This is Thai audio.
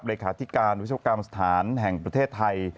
เลขาธิการวิศวกรรมสถานแห่งประเทศไทย